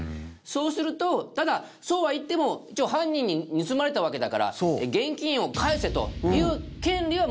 そうするとただそうは言っても一応犯人に盗まれたわけだから現金を返せという権利はもちろんあるわけで。